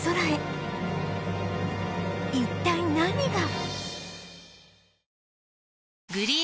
一体何が？